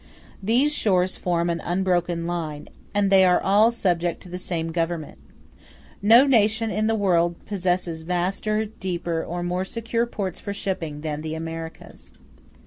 These shores form an unbroken line, and they are all subject to the same government. No nation in the world possesses vaster, deeper, or more secure ports for shipping than the Americans.